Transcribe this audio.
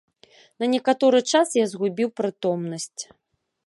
На некаторы час я згубіў прытомнасць.